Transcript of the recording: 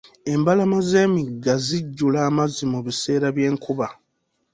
Embalama z'emigga zijjula amazzi mu biseera by'enkuba.